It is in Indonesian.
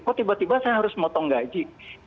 kok tiba tiba saya harus motong gaji